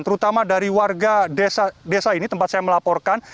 terutama dari warga desa ini tempat saya melaporkan